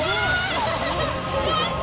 やった！